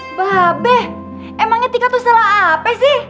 mba be emangnya tika tuh salah apa sih